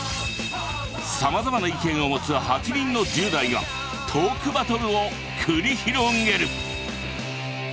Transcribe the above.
さまざまな意見を持つ８人の１０代がトークバトルを繰り広げる！